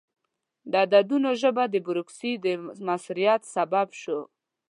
د عددونو ژبه د بروکراسي د موثریت سبب شوه.